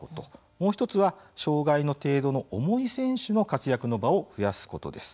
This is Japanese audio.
もう１つは障害の程度の重い選手の活躍の場を増やすことです。